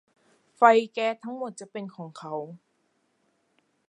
ไฟแก๊สทั้งหมดจะเป็นของเขา